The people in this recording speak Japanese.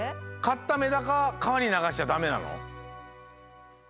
かったメダカかわにながしちゃダメなの？